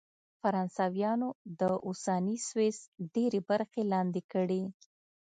فرانسویانو د اوسني سویس ډېرې برخې لاندې کړې.